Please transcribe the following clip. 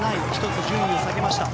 １つ順位を下げました。